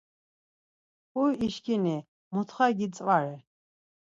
Huy işkini, mutxa gitzvare.